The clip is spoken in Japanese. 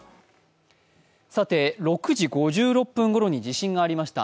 ６時５６分ごろに地震がありました。